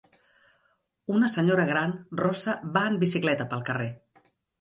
Una senyora gran rossa va en bicicleta pel carrer.